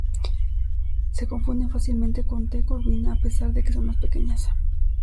Se confunden fácilmente con "T. corvina" a pesar de que son más pequeñas.